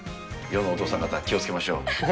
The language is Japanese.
世のお父さん方、気をつけましょう。